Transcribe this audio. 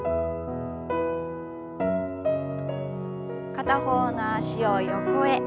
片方の脚を横へ。